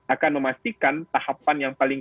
akan memastikan tahapan yang paling